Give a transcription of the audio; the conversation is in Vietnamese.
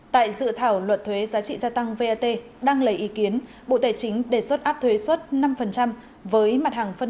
tại dự thảo luật thuế giá trị gia tăng vat đăng lấy ý kiến bộ tài chính đề xuất áp thuế xuất